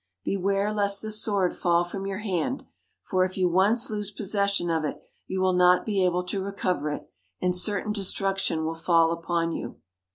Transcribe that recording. Beware lest the sword fall from your hand; for if you once lose possession of it, you will not be able to recover it, and certain destruction will fall upon you.'